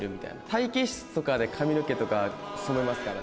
待機室とかで髪の毛とか染めますからね。